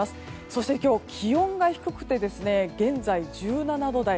そして今日、気温が低くて現在１７度台。